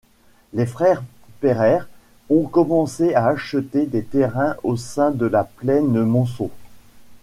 Les frères Pereire ont commencé à acheter des terrains au sein de la Plaine-Monceau.